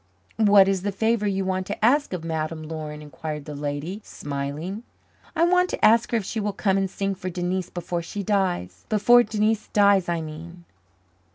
"What is the favour you want to ask of Madame Laurin?" inquired the lady, smiling. "I want to ask her if she will come and sing for Denise before she dies before Denise dies, I mean.